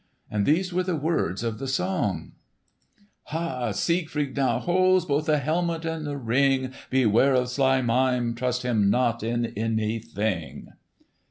And these were the words of the song: "Ha! Siegfried now holds Both the helmet and the Ring; Beware of sly Mime— Trust him not in anything!"